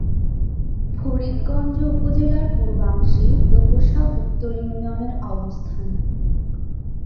ফরিদগঞ্জ উপজেলার পূর্বাংশে রূপসা উত্তর ইউনিয়নের অবস্থান।